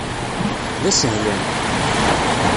D asehlan.